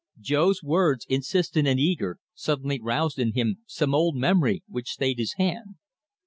Jo's words, insistent and eager, suddenly roused in him some old memory, which stayed his hand.